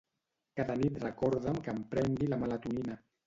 Cada nit recorda'm que em prengui la melatonina.